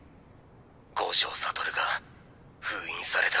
五条悟が封印された。